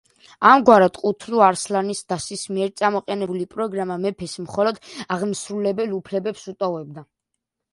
ამგვარად, ყუთლუ-არსლანის დასის მიერ წამოყენებული პროგრამა მეფეს მხოლოდ აღმასრულებელ უფლებებს უტოვებდა.